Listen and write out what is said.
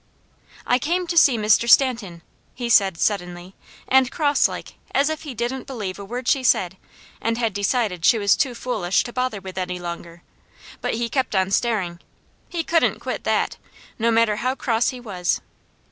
"I came to see Mr. Stanton," he said suddenly, and crosslike as if he didn't believe a word she said, and had decided she was too foolish to bother with any longer; but he kept on staring. He couldn't quit that, no matter how cross he was.